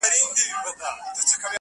د زړه، زړه ته لار وي.